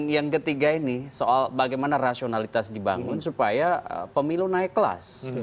yang ketiga ini soal bagaimana rasionalitas dibangun supaya pemilu naik kelas